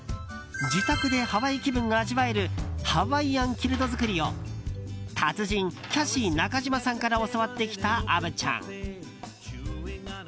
自宅でハワイ気分が味わえるハワイアンキルト作りを達人キャシー中島さんから教わってきた虻ちゃん。